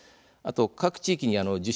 各地域に受診